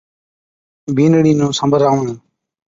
بِينڏڙِي نُون سنبراوَڻ